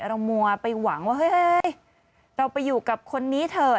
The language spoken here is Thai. มัวไปหวังว่าเฮ้ยเราไปอยู่กับคนนี้เถอะ